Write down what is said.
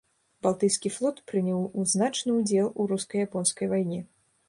Балтыйскі флот прыняў значны ўдзел у руска-японскай вайне.